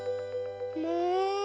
もう！